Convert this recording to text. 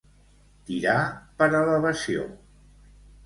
Tirar per elevació.